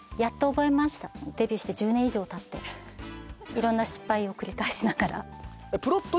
いろんな失敗を繰り返しながら。